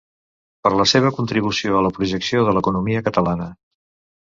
Per la seva contribució a la projecció de l’economia catalana.